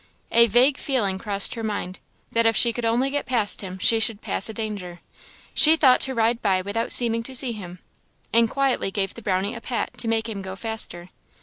A vague feeling crossed her mind, that if she could only get past him she should pass a danger; she thought to ride by without seeming to see him, and quietly gave the Brownie a pat to make him go faster.